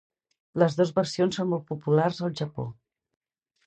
Les dos versions són molt populars al Japó.